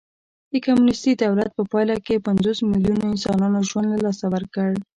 د کمونېستي دولت په پایله کې پنځوس میلیونو انسانانو ژوند له لاسه ورکړ